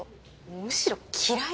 むしろ嫌い。